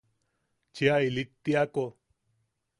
Chea ilittiako.